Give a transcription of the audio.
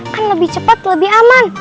kan lebih cepat lebih aman